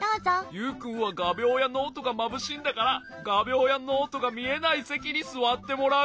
ユウくんはがびょうやノートがまぶしいんだからがびょうやノートがみえないせきにすわってもらう。